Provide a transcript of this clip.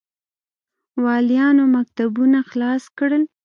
والیانو مکتوبونه خلاص کړل.